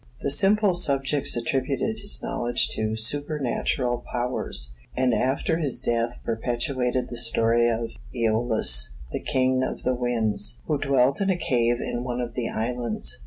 The simple subjects attributed his knowledge to supernatural powers, and after his death perpetuated the story of Aeolus, the king of the winds, who dwelt in a cave in one of the islands.